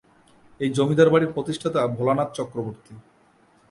এই জমিদার বাড়ির প্রতিষ্ঠাতা ভোলানাথ চক্রবর্তী।